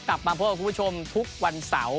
กลับมาพบกับคุณผู้ชมทุกวันเสาร์